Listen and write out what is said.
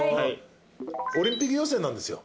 オリンピック予選なんですよ